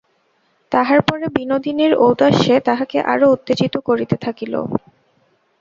তাহার পরে বিনোদিনীর ঔদাস্যে তাহাকে আরো উত্তেজিত করিতে থাকিল।